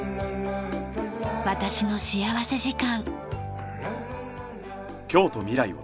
『私の幸福時間』。